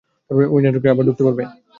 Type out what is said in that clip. ঐ নেটওয়ার্কে আবার ঢুকতে পারবে?